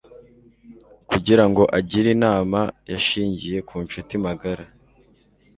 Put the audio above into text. Kugira ngo agire inama, yashingiye ku nshuti magara.